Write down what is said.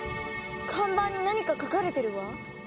看板に何か書かれてるわ。